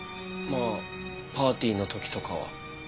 まあパーティーの時とかは。